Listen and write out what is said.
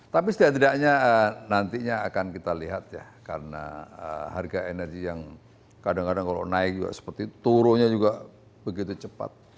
tapi setidaknya nantinya akan kita lihat ya karena harga energi yang kadang kadang kalau naik juga seperti itu turunnya juga begitu cepat